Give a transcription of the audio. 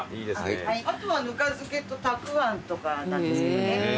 あとはぬか漬けとたくあんとかなんですけどね。